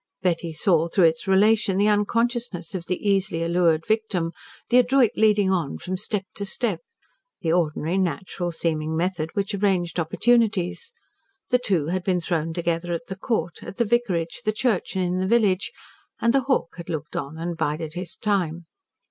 Betty saw, through its relation, the unconsciousness of the easily allured victim, the adroit leading on from step to step, the ordinary, natural, seeming method which arranged opportunities. The two had been thrown together at the Court, at the vicarage, the church and in the village, and the hawk had looked on and bided his time.